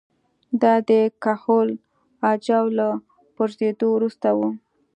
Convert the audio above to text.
دا د کهول اجاو له پرځېدو وروسته وه